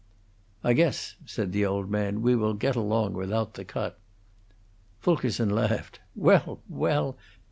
"I guess," said the old man, "we will get along without the cut." Fulkerson laughed. "Well, well!